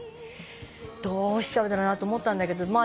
どうしちゃうだろうなと思ったんだけど。